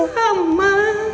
lupa lupa lupa lupa